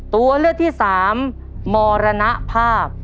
ตัวเลือกที่สามมรณภาพ